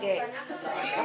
dua kali di usg